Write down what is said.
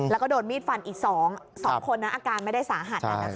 แล้วก็โดนมีดฟันอีก๒คนอาการไม่ได้สาหัส